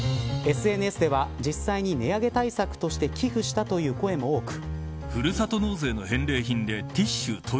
ＳＮＳでは実際に値上げ対策として寄付したという声も多く。